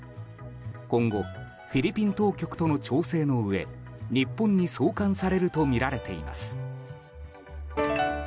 今後フィリピン当局との調整のうえ日本に送還されるとみられています。